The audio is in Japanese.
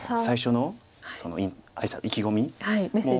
最初の挨拶意気込みも。